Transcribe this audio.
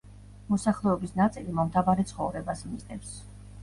მოსახლეობის ნაწილი მომთაბარე ცხოვრებას მისდევს.